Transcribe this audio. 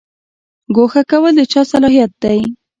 ګوښه کول د چا صلاحیت دی؟